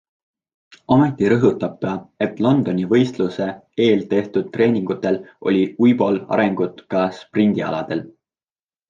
Ometi rõhutab ta, et Londoni võistluse eel tehtud treeningutel oli Uibol arengut ka sprindialadel.